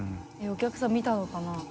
お客さん見たのかな？